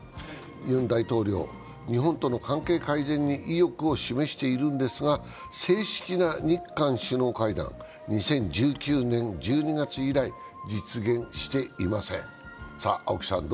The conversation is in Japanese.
ユン大統領、日本との関係改善に意欲を示しているんですが正式な日韓首脳会談、２０１９年１２月以来、実現していません